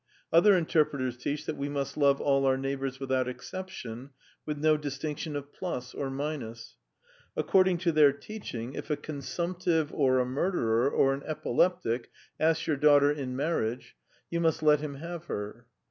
Other interpreters teach that we must love all our neighbours without exception, with no distinction of plus or minus. According to their teaching, if a consumptive or a murderer or an epileptic asks your daughter in marriage, you must let him have her.